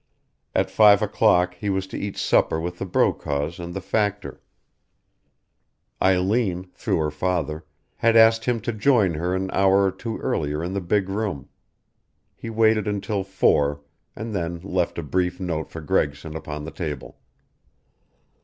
At five o'clock he was to eat supper with the Brokaws and the factor; Eileen, through her father, had asked him to join her an hour or two earlier in the big room. He waited until four, and then left a brief note for Gregson upon the table.